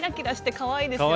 かわいいですよね。